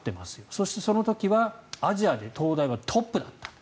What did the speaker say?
そしてその時はアジアで東大はトップだった。